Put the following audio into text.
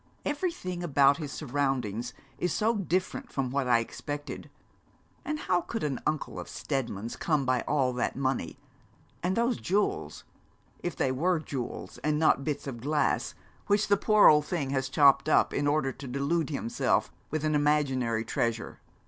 Everything about his surroundings is so different from what I expected. And how could an uncle of Steadman's come by all that money and those jewels if they were jewels, and not bits of glass which the poor old thing has chopped up, in order to delude himself with an imaginary treasure?'